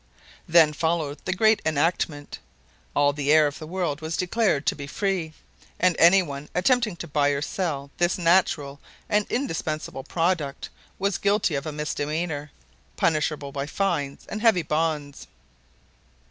Then followed the great enactment. All the air of the world was declared to be free, and any one attempting to buy or sell this natural and indispensable product was guilty of a misdemeanor, punishable by fines and heavy bonds.